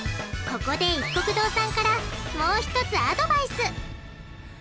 ここでいっこく堂さんからもう一つアドバイス！